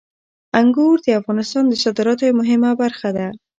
انګور د افغانستان د صادراتو یوه مهمه برخه ده.